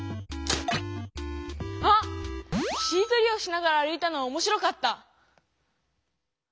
あっ「しりとりをしながら歩いた」のはおもしろかった。